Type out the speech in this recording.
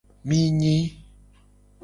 Mi nyi.